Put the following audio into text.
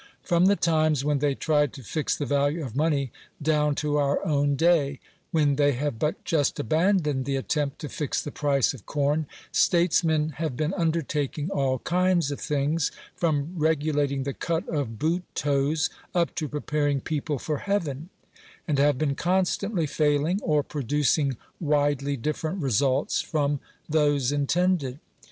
From the times when they tried to fix the value of money down to our own day, when they have but just abandoned the attempt to fix the price of corn, statesmen have been undertaking all kinds of things, from regulating the cut of boot toes, up to preparing people for Heaven; and have been constantly failing, or producing widely different results from those intended.